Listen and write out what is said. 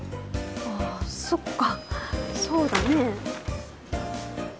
あぁそっかそうだね。